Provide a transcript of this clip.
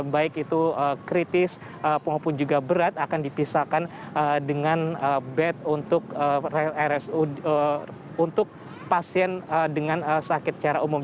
baik itu kritis maupun juga berat akan dipisahkan dengan bed untuk pasien dengan sakit secara umum